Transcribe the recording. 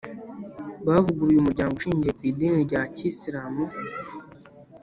bavuguruye umuryango ushingiye ku idini rya kisiramu